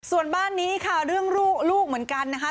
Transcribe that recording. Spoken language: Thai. ส่วนบ้านนี้ค่ะเรื่องลูกเหมือนกันนะคะ